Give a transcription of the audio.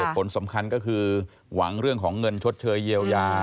ผลสำคัญก็คือหวังเรื่องของเงินชดเชยเยียวยา